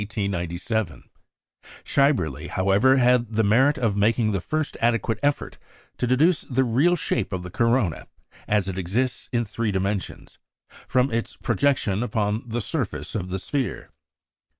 Schaeberle, however, had the merit of making the first adequate effort to deduce the real shape of the corona, as it exists in three dimensions, from its projection upon the surface of the sphere.